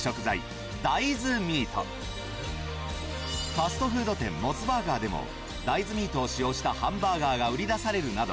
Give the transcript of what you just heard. ファストフード店モスバーガーでも大豆ミートを使用したハンバーガーが売り出されるなど